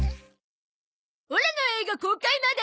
オラの映画公開まで。